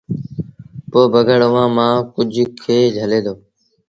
پوء بگھڙ اُئآݩٚ مآݩٚ ڪجھ کي جھلي دو